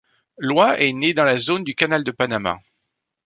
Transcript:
Loy est né dans la zone du Canal de Panama.